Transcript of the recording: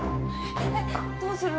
どうする？